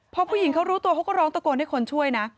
พอผู้หญิงเขารู้ตัวเขาก็ร้องตะโกนให้คนช่วยนะ